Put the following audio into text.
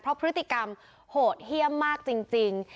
เพราะพฤติกรรมโหดเยี่ยมมากจริง